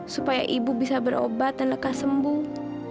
supaya ibu bisa berobat dan lekah sembuh